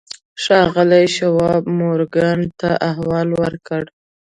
ښاغلي شواب مورګان ته احوال ورکړ.